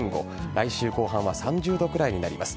来週後半は３０度くらいになります。